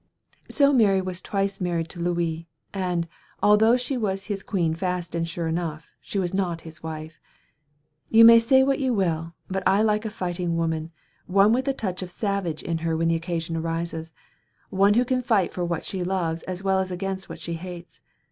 So Mary was twice married to Louis, and, although she was his queen fast and sure enough, she was not his wife. You may say what you will, but I like a fighting woman; one with a touch of the savage in her when the occasion arises; one who can fight for what she loves as well as against what she hates.